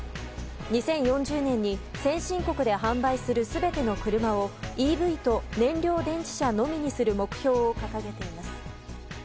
２０４０年に先進国で販売する全ての車をＥＶと燃料電池車のみにする目標を掲げています。